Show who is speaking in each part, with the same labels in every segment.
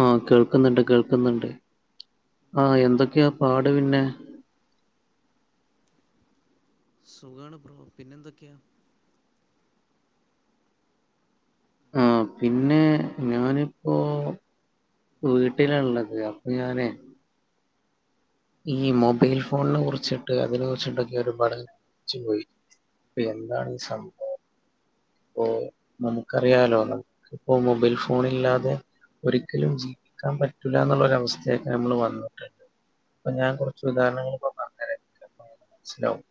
Speaker 1: ആ കേൾക്കുന്നുണ്ട്, കേൾക്കുന്നുണ്ട്. ആ, എന്തൊക്കെയാപാടു പിന്നെ
Speaker 2: സുഖാണ് ബ്രോ പിന്നെന്തൊക്കെയാ
Speaker 1: ആ പിന്നെഞാനിപ്പോ വീട്ടിലായുള്ളേ, അപ്പൊ ഞാനേ ഈ മൊബൈൽ ഫോണിനെ കുറിച്ചിട്ട്, അതിനെ കുറിച്ചിട്ടൊക്കെ ഒരു പഠച്ചു പോയി. ഇപ്പോഎന്താണ് സംഭവം ഇപ്പോ നമുക്കറിയാലോ യത്. ഇപ്പോ മൊബൈൽ ഫോണില്ലാതെ ഒരിക്കലും ജീവിക്കാൻ പറ്റില്ലായെന്നുള്ളൊര വസ്ഥയല്ലേ, നമ്മളു വന്നിട്ട് അപ്പൊ ഞാൻ കുറച്ചുദാഹരണങ്ങളെക്കെ പറഞ്ഞു തരാം [unintelligible] മനസ്സിലാവും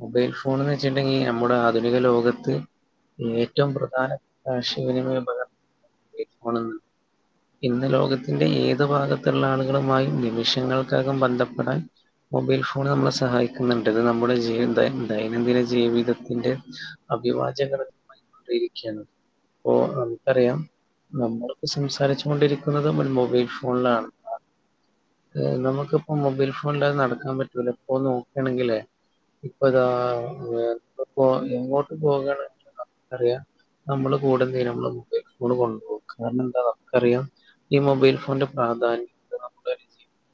Speaker 1: മൊബൈൽ ഫോണു വെച്ചിട്ടുണ്ടെങ്കിൽ നമ്മുടെയാധുനിക ലോകത്ത്.. ഏറ്റവുംപ്രധാന യാശവിനിമയോപ ഇപ്പോളിത്. ഇന്നുലോകത്തിന്റെയേതുഭാഗത്തു മുള്ളയാളുകളുമായും. നിമിഷങ്ങൾക്കകം ബന്ധപ്പെടാൻ മൊബൈൽ ഫോണു നമ്മളെ സഹായിക്കുന്നുണ്ട്. ഇത് നമ്മുടെ ജീവന്തേ ന്തേ ദൈനംദിന ജീവിതത്തിന്റെ അഭിവാജ്യഘടകമായി മാറിയിരിക്കുകയാണ്. പ്പോ നമുക്കറിയാം നമ്മളിപ്പോ സംസാരിച്ചു കൊണ്ടിരിക്കുന്നതുമൊരു മൊബൈൽ ഫോണിലാണ്. നമുക്കിപ്പോ മൊബൈൽ ഫോണില്ലാതെ, നടക്കാൻ പറ്റത്തില്ല. ഇപ്പൊ നോക്കുവാണെങ്കിലേ, ഇപ്പൊയിതാ വേ [unintelligible] എങ്ങോട്ടുപോകണെങ്കിലും നമുക്കറിയാം നമ്മളുകൂടെയെന്തേലുള്ളത് നമ്മള് കൊണ്ടോകും കാരണം എന്താ നമുക്കറിയാം ഈ മൊബൈൽ ഫോണിന്റെ പ്രാ അതാണിപ്പം, നമുക്ക [unintelligible]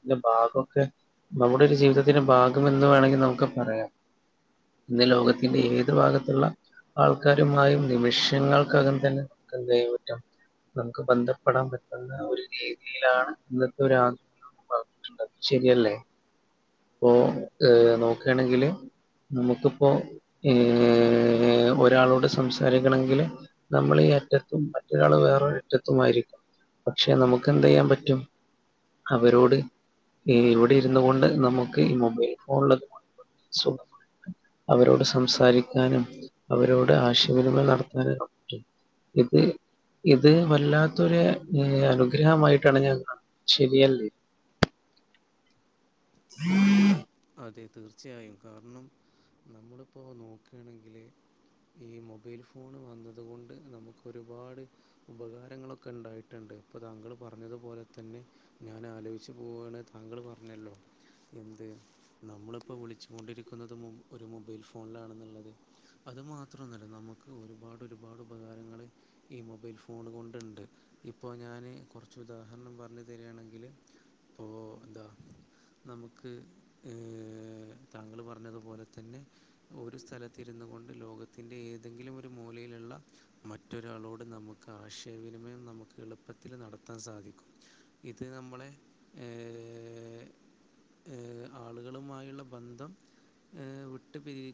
Speaker 1: ന്റെ, ഭാഗമൊക്കെ നമ്മുടെ ഒരു ജീവിതത്തിന്റെ ഭാഗം എന്നുവേണമെങ്കിൽ നമുക്കുപറയാം. ഇന്ന് ലോകത്തിന്റെയേതു ഭാഗത്തുള്ള ആൾക്കാരുമായും നിമിഷങ്ങൾക്കകം തന്നെ നമുക്കെന്തു ചെയ്യാൻപറ്റും. നമുക്കുബന്ധപ്പെടാൻ പറ്റുന്നയൊരു രീതിയിലാണിന്നത്തെ യൊരു ആധുനീകയുഗം അത് ശരിയല്ലേ ഇപ്പൊ ഏ നോക്കുകയാണെങ്കില് നമുക്കിപ്പോ ഏ ഒരാളോടു സംസാരിക്കണമെങ്കില് നമ്മളീ ങ്ങേ അറ്റത്തും മറ്റൊരാൾ വേറൊരറ്റത്തുമായിരിക്കും. പക്ഷേനമുക്കെന്തു ചെയ്യാൻ പറ്റും അവരോട് ഈ ഇവിടെയിരുന്നുകൊണ്ടു, നമുക്കീ മൊബൈൽഫോണിലോക്കെ സുഖം അവരോടു സംസാരിക്കാനും, അവരോടു ആശയവിനിമയം നടത്താനുമൊക്കെ പറ്റും. ഇത്, ഇത് വല്ലാത്തൊരു അനുഗ്രഹമായിട്ടാണ് ഞാൻ കാണു ശരിയല്ലേ
Speaker 2: അതെ, തീർച്ചയായും കാരണം നമ്മളിപ്പോ നോക്കുകയാണെങ്കില് ഈ മൊബൈൽഫോണു വന്നതുകൊണ്ട് നമുക്കൊരുപാട് ഉപകാരങ്ങളൊക്കെ ഉണ്ടായിട്ടുണ്ട്. ഇപ്പൊ താങ്കളു പറഞ്ഞതുപോലെതന്നെ ഞാൻ ആലോചിച്ചു പോവാണ് താങ്കള് പറഞ്ഞല്ലോ എന്ത് നമ്മളിപ്പോ വിളിച്ചുകൊണ്ടിരിക്കുന്നതും ഒരു മൊബൈൽ ഫോണിലാണെന്നുള്ളത്. അതുമാത്രമൊന്നുമല്ല ന നമുക്ക് ഒര്പാട് ഒര്പാട് ഉപകാരങ്ങള് ഈ മൊബൈൽ ഫോണ് കൊണ്ട്ണ്ട് ഇപ്പോ ഞാന് കൊ കൊറച്ച് ഉദാഹരണം പറഞ്ഞ് തെര്യാണെങ്കില് ഇപ്പോ എന്താ നമുക്ക് യെ താങ്കള് പറഞ്ഞത്പോലെ തന്നെ ഒരു സ്ഥലത്ത് ഇര്ന്ന് കൊണ്ട് ലോകത്തിന്റെ ഏതെങ്കിലും ഒര് മൂലേ ള്ള മറ്റൊരാളോട് നമുക്ക് ആശയവിനിമയം നമുക്ക് എളുപ്പത്തില് നടത്താൻ സാധിക്കും ഇത് നമ്മളെ യെ യെ യെ ആളുകള്മായുള്ള ബന്ധം മ്... വിട്ടു പിരി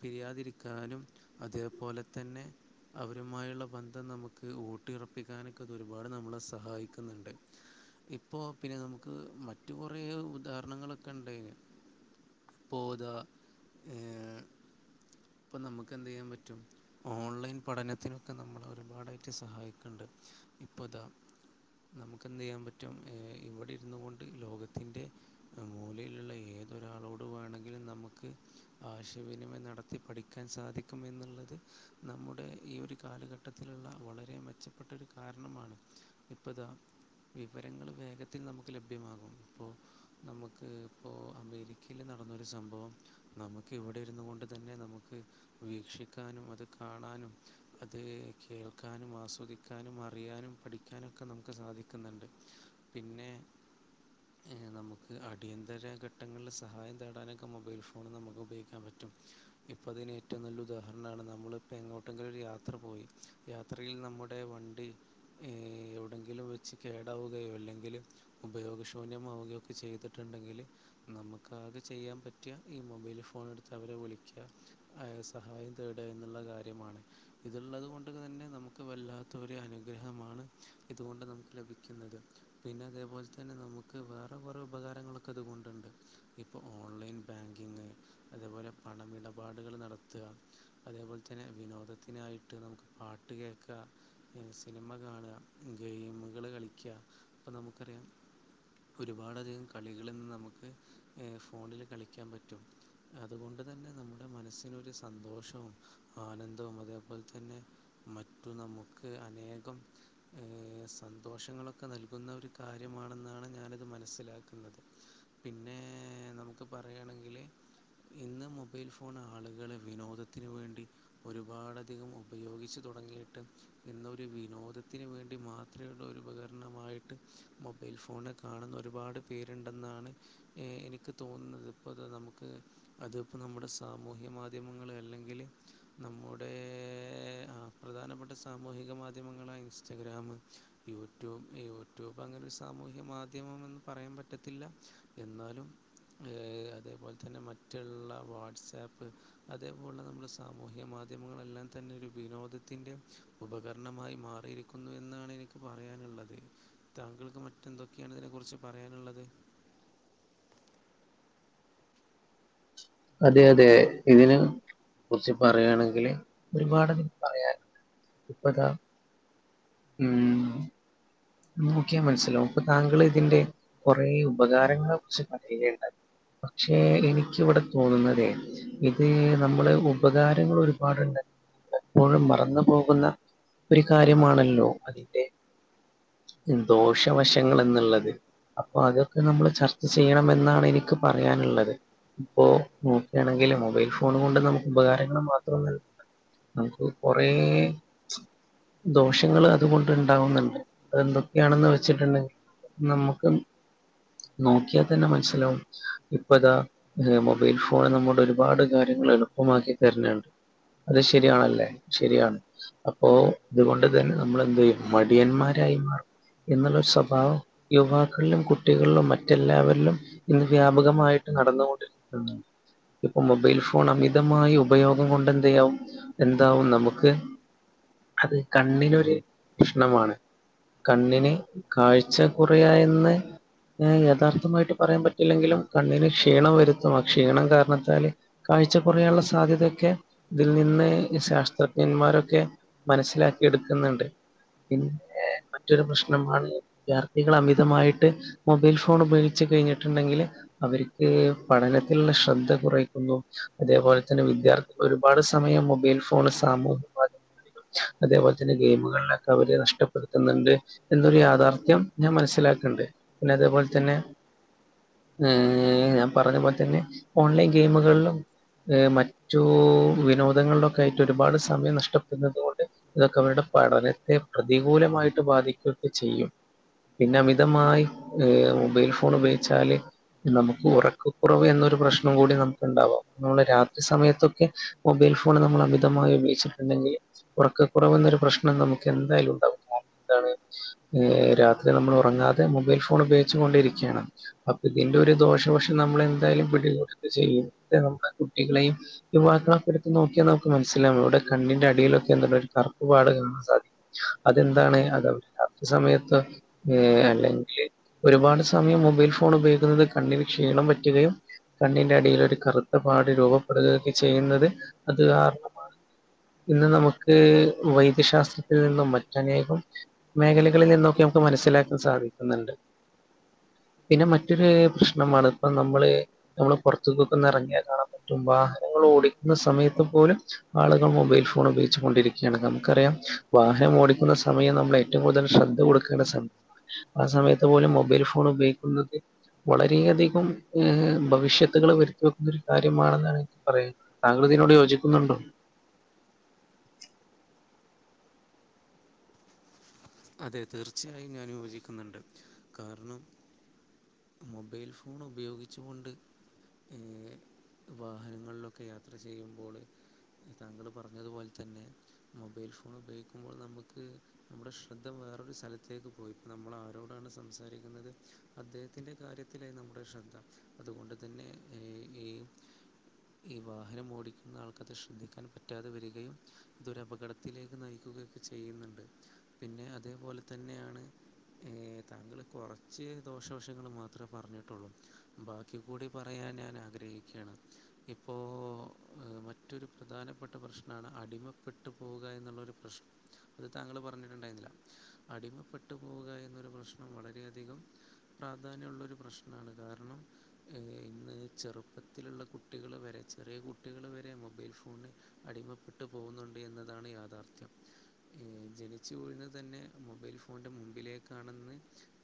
Speaker 2: പിരിയാതിരിക്കാനും അതേപോലെ തന്നെ അവരുമായോള്ള ബന്ധം നമുക്ക് ഊട്ടിയിറപ്പിക്കാനൊക്കെ അത് ഒര്പാട് നമ്മളെ സഹായിക്ക്ന്ന്ണ്ട് ഇപ്പോ പിന്നെ നമ്മുക്ക് മറ്റ് കൊറേ ഉദാഹരണങ്ങളൊക്കെ ഇണ്ടേന് [unintelligible] ഇപ്പം നമ്മക്ക് എന്ത് ചെയ്യാ പറ്റും ഓൺലൈൻ പഠനത്തിനൊക്കെ നമ്മളെ ഒരുപാടായിട്ട് സഹായിക്കണ്ട് ഇപ്പോ ദാ നമുക്ക് എന്ത് ചെയ്യാ പറ്റും ഇവ്ടെ ഇര്ന്നു കൊണ്ട് ലോകത്തിൻ്റെ ഉം മൂലയിലൊള്ള ഏതൊരാളോട് വേണാ ങ്കിലും നമുക്ക് ആശയവിനിമയം നടത്തി പഠിക്കാൻ സാധിക്കും എന്നുള്ളത് നമ്മുടെ ഈ ഒര് കാലഘട്ടത്തിലെള്ള വളരെ മെച്ചപ്പെട്ടൊ ഒര് കാരണമാണ് ഇപ്പോത വിവരങ്ങള് വേഗത്തിൽ നമക്ക് ലഭ്യമാകും ഇപ്പോ നമ് ഇപ്പോ അമേരിക്കയില് നടന്നൊര് സംഭവം നമ്മക്ക് ഇവടെ ഇരുന്നുകൊണ്ട് തന്നെ നമ്മക്ക് വീക്ഷിക്കാനും അത് കാണാനും അത് കേൾക്കാനും ആസ്വദിക്കാനും അറിയാനും പഠിക്കാനൊക്കെ നമ്മക്ക് സാധിക്ക്ന്നോണ്ട് പിന്നെ യെ നമ്മക്ക് അ [unintelligible] അടിയന്തര ഘട്ടങ്ങളില് സഹായം തേടാനൊക്കെ മൊബൈൽ ഫോണ് നമുക്ക് ഉപയോഗിക്കാൻ പറ്റും ഇപ്പോ അതിന് ഏറ്റോം നല്ല ഉദാഹരണ് നമ്മളിപ്പോ എങ്ങോട്ടെങ്കിലും ഒര് യാത്ര പോയി യാത്രയിൽ നമ്മുടെ വണ്ടി എവിടെയെങ്കിലും വെച്ച് കേടാവുകയോ അല്ലെങ്കില് ഉപയോഗശൂന്യമാവുകയോ ഒക്കെ ചെയ്ത് ണ്ടെങ്കില് നമുക്ക് അത് ചെയ്യാൻ പറ്റിയ ഈ മൊ മൊബൈൽ ഫോണെടുത്ത് അവരെ വിളിക്ക്യാ ആ സഹായം തേടുക എന്നുള്ള കാര്യമാണ് ഇത് ള്ളത് കൊണ്ട് തന്നെ നമ്മക്ക് വല്ലാത്ത ഒര് അനുഗ്രഹമാണ് ഇതുകൊണ്ട് നമ ലഭിക്കുന്നത് പിന്നെ അതേപോലെ തന്നെ നമുക്ക് വേറെ കൊറേ ഉ ഉപകാരങ്ങളൊക്കെ ഇത് കൊണ്ട് ണ്ട് ഇപ്പോ ഓൺലൈൻ ബാങ്കിങ് അതേപോലെ പണമിടപാടുക നടത്തുക അതേപോലെ തന്നെ വിനോദത്തിനായിട്ട് നമുക്ക് പാട്ട് കേക്കാ [unintelligible] സിനിമ കാണുക ഗെയിമുകള് കളിക്ക്യാ ഇപ്പം നമ്മക്കറിയാം ഒരുപാട് അധികം കളികളി നിന്ന് നമ്മക്ക് ഫോണിൽ കളിക്കാൻ പറ്റും അതുകൊണ്ട് തന്നെ നമ്മടെ മനസ്സ് സന്തോഷോ, ആനന്ദവും അതേപോലെ തന്നെ മറ്റു നമ്മക്ക് അനേകം ഇപ്പം സന്തോഷങ്ങളൊക്കെ നൽകുന്ന ഒര് കാര്യമാണെന്നാണ് ഞാനത് മനസ്സില ന്നത് പിന്നെ നമ്മക്ക് പറയ്യാണെങ്കില് ഇന്ന് മൊബൈൽ ഫോണ് ആള്കള് വിനോദത്തിന് വേണ്ടി ഒരുപാടധികം ഉപയോഗിച്ച് തൊ തുടങ്ങിയിട്ട് ഇന്നൊരു വിനോദത്തിന് വേണ്ടി മാത്രേ ള്ള ഉപകരണമായിട്ട് മൊബൈ ഫോണിനെ കാണുന്ന ഒരുപാട് പേരുണ്ടെന്നാണ് എനിക്ക് തോന്നത് ഇപ്പോ ഇത് നമ്മക്ക് അതിപ്പോൾ നമ്മടെ സാമൂഹ്യാ മാധ്യമങ്ങള് അല്ലെങ്കില് നമ്മുടേ... ആ പ്രധാനപ്പെട്ട സാമൂഹിക മാധ്യ ങ്ങളായ ഇൻസ്റ്റഗ്രാമ്, യൂട്യൂബ് യൂട്യൂബ് അങ്ങനെ ഒര് സാമൂഹ്യ മാധ്യമം എന്ന് പറയാൻ പറ്റത്തില്ല എന്നാലും യെ അതേ പോലെ തന്നെ മറ്റുള്ള വാട്സാപ്പ് അതേ പോലേള്ള നമ്മുടെ സാമൂഹ്യ മാധ് മാധ്യമങ്ങളെല്ലാം തന്നെ ഒര് വിനോദത്തിൻ്റെ ഉപകരണമായി മാറിയിരിക്കുന്നു എന്നാണ് എനിക്ക് പറയാനാ ള്ളത് താങ്കൾക്ക് മറ്റെന്തൊക്കെയാണ് ഇതിനെ കുറിച്ച് പറയാനുള്ളത്
Speaker 1: അതെ അതെ ഇതിന് കുറിച്ച് പറയാണെങ്കില് ഒരുപാട് പറയാൻ [unintelligible] ഉം നോക്കിയാ മനസ്സിലാവും ഇപ്പം താങ്കള് ഇതിന്റെ കുറേ ഉപകാരങ്ങളെ കുറിച്ച് പറയ്കെയ്ണ്ടായി പക്ഷേ എനിക്കിവിടെ തോന്നുന്നതേ ഇത് നമ്മള് ഉപകാരങ്ങള് ഒരുപാടുണ്ട് എപ്പോഴും മറന്നു പോകുന്ന ഒരു കാര്യമാണല്ലോ അതിന്റെ എന്തോഷവശങ്ങൾ എന്നുള്ളത് അപ്പൊ അതൊക്കെ നമ്മള് ചർച്ച ചെയ്യണമെന്നാണ് എനിക്ക് പറയാനുള്ളത് ഇപ്പൊ നോക്കുകയാണെങ്കില് മൊബൈൽ ഫോൺ കൊണ്ട് നമുക്ക് ഉപകാരങ്ങള് മാത്രമല്ല നമുക്ക് കൊറേ ദോഷങ്ങൾ അതുകൊണ്ട് ഉണ്ടാവുന്നുണ്ട്. അതെന്തൊക്കെയാണെന്ന് വെച്ചിട്ടുണ്ടെങ്കിൽ നമ്മുക്ക് നോക്കിയാൽ തന്നെ മനസ്സിലാവും. ഇപ്പൊതാ മൊബൈൽ ഫോൺ നമ്മുടെ ഒരുപാട് കാര്യങ്ങ എളുപ്പമാക്കി തരുന്നണ്ട്. അത് ശരിയാണല്ലേ. ശരിയാണ് അപ്പോ ഇതുകൊണ്ട് തന്നെ നമ്മൾ എന്ത് ചെയ്യും മടിയന്മാര് [inaudible] എന്നുള്ളൊരു സ്വഭാവം യുവാക്കളിലും കുട്ടികളിലും മറ്റെല്ലാവരിലും ഇന്ന് വ്യാപകമായി ട്ട് നടന്നൊണ്ടിരിക്കണ്ട് ഇപ്പൊ മൊബൈൽ ഫോൺ അമിതമായ ഉപയോഗം കൊണ്ട് എന്ത്യവു എന്താവും നമുക്ക് അത് കണ്ണിനൊരു പ്രശ്ണമാണ് കണ്ണിന് കാഴ്ച കുറയായെന്ന് യഥാർത്ഥമായിട്ട് പറയാൻ പറ്റില്ലെങ്കിലും കണ്ണിന് ക്ഷീണം വരുത്തും ആ ക്ഷീണം കാരണത്താൽ കണ്ണ് കാഴചറയാനുള്ള സാധ്യതയൊക്കെ ഇതിൽ നിന്ന് ശാസ്ത്രജ്ഞന്മാരൊക്കെ മനസ്സിലാക്കി എടു നുണ്ട് പിന്നെ മറ്റൊരു പ്രശ്നമാണ് വിദ്യാർത്ഥികൾ അമിതമായിട്ട് മൊബൈൽ ഫോൺ ഉപയോഗിച്ച് കഴിഞ്ഞിട്ടുണ്ടെങ്കിൽ അവർക്ക് പഠനത്തിലുള്ള ശ്രദ്ധ കുറയ്ക്കുന്നു. അതേപോലെ തന്നെ വിദ്യാർത്ഥികൾ ഒരുപാട് സമയം മൊബൈൽ ഫോൺ സാമൂഹ മാധ്യമഅതേപോലെ തന്നെ ഗെയിമുകളിലൊക്കെ അവര് നഷ്ട ടുത്തുന്നുണ്ട് എന്നൊരു യാഥാർത്ഥ്യം ഞാൻ മനസ്സിലാക്കണ്ട് പിന്നെ അതേപോലെ തന്നെ ഏ ഞാൻ പറഞ്ഞ പോലെ തന്നെ ഓൺലൈൻ ഗെയിമുകളിലും ഹ മറ്റു വിനോദങ്ങളിലൊക്കെ ആയിട്ട് ഒരുപാട് സമയം നഷ്ടപ്പെടുന്നത് കൊണ്ട് ഇതൊക്കെ അവരുടെ പഠനത്തെ പ്രതികൂലമായിട്ട് ബാധിക്കുകയൊക്കെ ചെയ്യും പിന്നെ അമിതമായി ഏ മൊബൈൽ ഫോൺ ഉപയോഗിച്ചാല് നമുക്ക് ഉറക്ക കുറവ് എന്നൊരു പ്രശ്നം കൂടി നമുക്കുണ്ടാവാം. നമ്മള് രാത്രി സമയത്തൊക്കെ മൊബൈ ഫോണ് നമ്മൾ അമിതമായി ഉപയോഗിച്ചിട്ടുണ്ടെങ്കിൽ ഉറക്ക കുറവുന്നൊരു പ്രശ്നം നമുക്ക് എന്തായാലും ഉണ്ടാവും [unintelligible] രാത്രി നമ്മൾ ഉറങ്ങാതെ മൊബൈൽ ഫോൺ ഉപയോഗിച്ചൊണ്ടിരിക്കയാണ് അപ്പ ഇതിന്റെ ഒരു ദോഷവശം നമ്മൾെന്തായാലും പിടികൂടെന്നചെയ്യുംനമ്മുടെ കുട്ടികളെയും യുവാക്കളൾക്കെടുത്ത് നോക്കി നമുക്ക് മനസ്സിലാ ഇവിടെ കണ്ണിന്റെ അടിയിലൊക്കെന്തണ്ട ഒരു കറുപ്പ് പാട് കാണാൻ സാധിക്കും അതെന്താണ് അത് രാത്രി സമയത്ത് ഏ അല്ലെങ്കിൽ ഒരുപാട് സമയം മൊബൈൽ ഫോൺ ഉപയോഗിക്കുന്നത് കണ്ണിന് ക്ഷീണം പറ്റുകയും കണ്ണിന്റെ അടിയിൽ ഒരു കറുത്ത പാട് രൂപപ്പെടുകയൊക്കെ ചെയ്യുന്നത് അത് കാരണമാണ് ഇന്ന് നമുക്ക് വൈദ്യശാസ്ത്രത്തിൽ നിന്നും മ റ്റെ അനേകം മേഖലകളിൽ നിന്നൊക്കെ നമുക്ക് മനസ്സിലാക്കാൻ സാധിക്കുന്നുണ്ട് പിന്നെ മറ്റൊരു പ്രശ്നമാണ് ഇപ്പ നമ്മള് നമ്മള് പുറത്ത കൊക്കെ ന്ന് ന്നറങ്ങിയാൽ കാണാൻ പറ്റും വാഹനങ്ങള ഓടിക്കുന്ന സമയത്ത് പോലും ആളുകൾ മൊബൈൽ ഫോൺ ഉപയോഗിച്ചൊണ്ടിരിക്കയാണ് നമുക്കറിയാം വാഹനം ഓടി ക്കുന്ന സമയം നമ്മൾ ഏറ്റവും കൂടുതൽ ശ്രദ്ധ കൊടുക്കേണ്ട സമയം ആ സമയത്ത് പോലും മൊബൈൽ ഫോൺ ഉപയോഗിക്കുന്നത് വളരെയധികം ഭവിഷ്യത്തുകൾ വരുത്തി വെക്കുന്ന ഒരു കാര്യമാണെന്നാണ് എനിക്ക് പറയാനുള്ളത് താങ്കൾ അതിനോട് യോജിക്കുന്നുണ്ടോ
Speaker 2: അതെ തീർച്ചയായും ഞാൻ യോജിക്കുന്നുണ്ട് കാരണം മൊബൈൽ ഫോൺ ഉപയോഗിച്ചുകൊണ്ട് വാഹനങ്ങളിലൊക്കെ യാത്ര ചെയ്യുമ്പോള് താങ്കൾ പറഞ്ഞതു പോലെ തന്നെ മൊബൈൽ ഫോൺ ഉപയോഗിക്കുമ്പോൾ നമുക്ക് നമ്മുടെ ശബദം വേറൊരു സ്ഥലത്തേക്ക് പോയി ഇപ്പോൾ നമ്മൾ ആരോടാണ് സംസാരിക്കുന്നത് അദ്ദേഹത്തിൻ്റെ കാര്യത്തിലായി നമ്മൾ കൂടെ ശ്രദ്ധ അതുകൊണ്ട് തന്നെ ഈ ഈ വാഹനം ഓടിക്കുന്ന ആൾക്കത് ശ്രദ്ധിക്കാൻ പറ്റാതെ വരികയും ഇതൊര അപകടത്തിലേക്ക് നയിക്കുക ക്കെ ചെയ്യുന്നുണ്ട് പിന്നെ അപോലെ തന്നെയാണ് ഏ താങ്കൾ കുറച്ച് ദോഷവശങ്ങൾ മാത്രമേ പറഞ്ഞിട്ടുള്ളൂ ബാക്കി കൂടി പറയാൻ ഞാൻ ആഗ്രഹിക്കുകയാണ് ഇപ്പോ മറ്റൊരു പ്രധാനപ്പെട്ട പ്രശ്നമാണ് അടിമ പെട്ടു പോക എന്നുള്ള ഒരു പ്രശ്നം അത് താങ്കൾ പറഞ്ഞിട്ട് ഞണ്ടായിരുന്നില്ല അടിമപ്പെട്ടു പോവുക എന്നൊരു പ്രശ്നം വളരെയധികം പ്രാധാന്യമുള്ള ഒരു പ്രശ്നം പ്രന കാരണം ഇന്ന് ചെറുപ്പത്തിലുള്ള കുട്ടികൾ വരെ ചെറിയ കുട്ടികൾ വരെ മൊബൈൽ ഫോണന് അടിമപ്പെട്ടു പോകുന്നുണ്ട് എന്നതാണ് യാഥാർത്ഥ്യം ജനി ഉച്ച വഴുന്നത് തന്നെ മൊബൈൽ ഫോണിൻ്റെ മുമ്പിലേക്കാണെന്ന്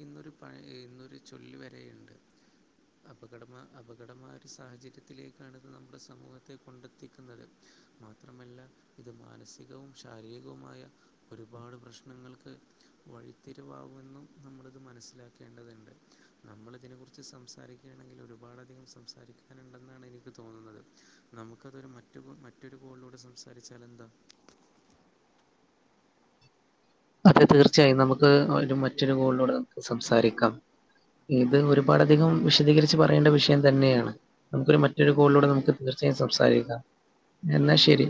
Speaker 2: ഇന്നൊരു പഴ ഇന്നൊരു ചൊല്ല വരെയുണ്ട് അപകടമ അപകടമായൊരു സാഹചര്യത്തിലേക്കാണിത് നമ്മുടെ സമൂഹത്തെ കൊണ്ടെത്തിക്കുന്നത് മാത്രമല്ല ഇത് മാനസികവും ശാരീരികവുമായ ഒരു ഒരുപാട് പ്രശ്നങ്ങൾക്ക് വഴിത്തിരിവാകുമെന്നും നമ്മളിത് മനസ്സിലാക്കേണ്ടതുണ്ട് നമ്മള ഇതിനെക്കുറിച്ച് സംസാരിക്കുകയാണെങ്കിൽ ഒരുപാട് അധികം സംസാരിക്കാനുണ്ടെന്നാണ് എനിക്ക് തോന്നുന്നത് നമുക്കതൊരു മറ്റ മറ്റൊരു കോളിലോട് സംസാരിച്ചാലു എന്താ
Speaker 1: അതെ തീർച്ചയായും നമുക്ക് ഒരു മറ്റൊരു ഗോളിലൂടെ നമുക്ക് സംസാരിക്കാം ഇത് ഒരുപാട് അധികം വിശദീകരിച്ച് പറയേണ്ട വിഷയം തന്നെയാണ് നമുക്കൊരു മറ്റൊരു കോളിലൂടെ നമുക്ക് തീർച്ചും സംസാരിക്കാം എന്നാ ശരി